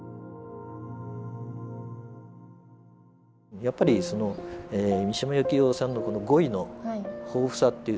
やっぱりその三島由紀夫さんの語彙の豊富さっていう